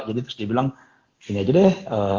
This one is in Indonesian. jadi terus dia bilang ini aja deh